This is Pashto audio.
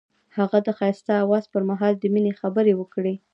هغه د ښایسته اواز پر مهال د مینې خبرې وکړې.